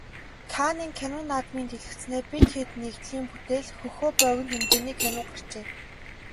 Каннын кино наадмын дэлгэцнээ "Бид хэд" нэгдлийн бүтээл "Хөхөө" богино хэмжээний кино гарчээ.